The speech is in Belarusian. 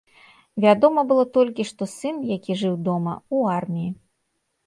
Вядома было толькі, што сын, які жыў дома, у арміі.